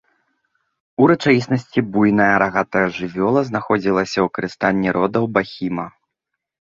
У рэчаіснасці, буйная рагатая жывёла знаходзілася ў карыстанні родаў бахіма.